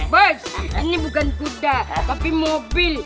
bus ini bukan kuda tapi mobil